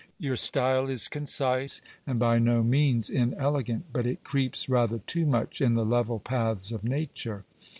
Your style is concise, and by no means inelegant ; but it creeps rather too much in the level paths of nature.